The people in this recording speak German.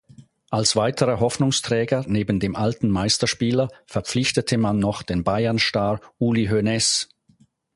Als weiterer Hoffnungsträger neben dem alten Meisterspieler verpflichtete man noch den Bayern-Star Uli Hoeneß.